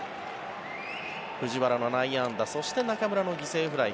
藤原の内野安打そして中村の犠牲フライ